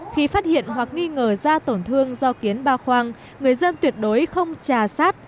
khi phát hiện hoặc nghi ngờ da tổn thương do kiến ba khoang người dân tuyệt đối không trà sát